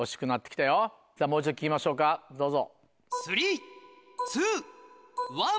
さぁもう一度聞きましょうかどうぞ。